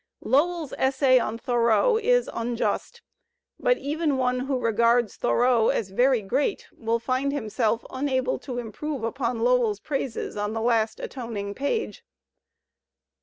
Lowell's essay on Thoreau is unjust. But even one who regards Thoreau as very great will find himself unable to improve upon Lowell's praises on the last atoning page.